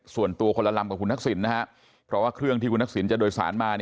ส่วนตัวคนละลำกับคุณทักษิณนะครับเพราะว่าเครื่องที่คุณทักษิณจะโดยสารมา